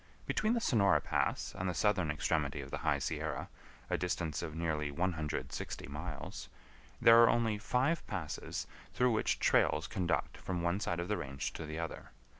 Between the Sonora Pass and the southern extremity of the High Sierra, a distance of nearly 160 miles, there are only five passes through which trails conduct from one side of the range to the other.